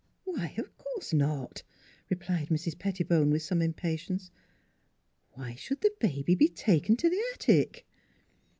" Why, of course not," replied Mrs. Pettibone, with some impatience. " Why should the baby be taken to the attic?